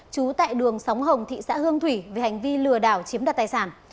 trú tại đường sóng hồng thị xã hương thủy vì hành vi lừa đảo chiếm đặt tài sản